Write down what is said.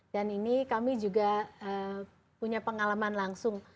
dan ini kami juga punya pengalaman langsung